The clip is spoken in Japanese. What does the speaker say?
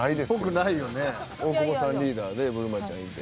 大久保さんリーダーでぶるまちゃんいて。